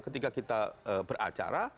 ketika kita beracara